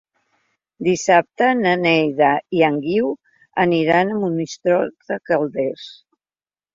Dissabte na Neida i en Guiu aniran a Monistrol de Calders.